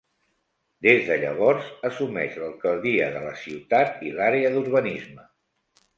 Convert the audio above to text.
Des de llavors assumeix l'alcaldia de la ciutat i l'àrea d'urbanisme.